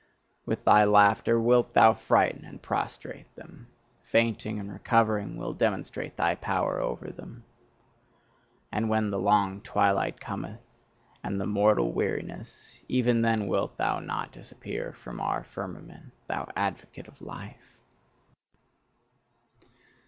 With thy laughter wilt thou frighten and prostrate them: fainting and recovering will demonstrate thy power over them. And when the long twilight cometh and the mortal weariness, even then wilt thou not disappear from our firmament, thou advocate of life!